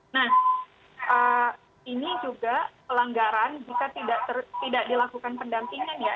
nah ini juga pelanggaran jika tidak dilakukan pendampingan ya